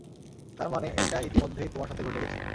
তার মানে এটা ইতোমধ্যেই তোমার সাথে ঘটে গেছে।